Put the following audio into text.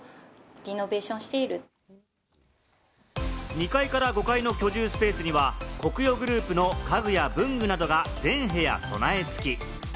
２階から５階の居住スペースにはコクヨグループの家具や文具などが、全部屋備え付き。